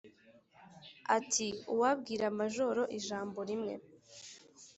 Ati: "Uwabwira Majoro ijambo rimwe